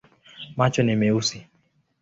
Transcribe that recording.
Macho ni meusi.